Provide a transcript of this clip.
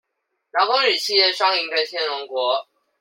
勞工與企業雙贏的天龍國